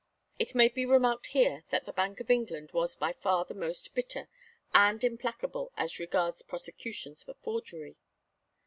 It may be remarked here that the Bank of England was by far the most bitter and implacable as regards prosecutions for forgery.